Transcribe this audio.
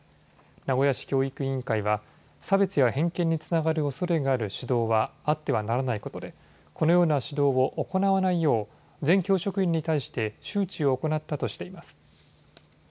名古屋市教育委員会は、差別や偏見につながるおそれがある指導はあってはならないことで、このような指導を行わないよう、全教職員に対して周知を行ったとしています。